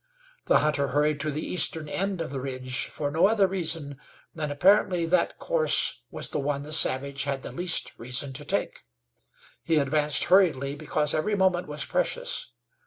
The hunter hurried to the eastern end of the ridge for no other reason than apparently that course was the one the savage had the least reason to take. He advanced hurriedly because every moment was precious.